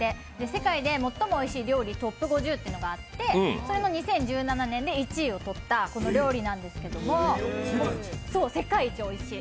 世界で最もおいしい料理トップ５０っていうのがあってそれの２０１７年で１位をとった料理なんですけれども世界一おいしい。